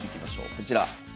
こちら。